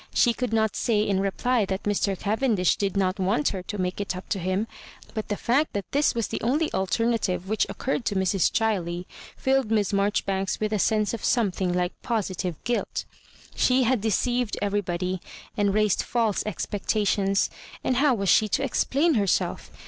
She could not say in reply that Mr. Cavendish did not want her to make it up to him ; but the fact that this was the only sdtemative which occurred to Mrs. Ohiley filled Miss Marjoribanks with a sense of something like positive guilt She had de ceived everybody, and raised false expectations, and how was she to explain herself?